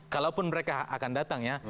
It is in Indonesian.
kalaupun mereka akan datang ya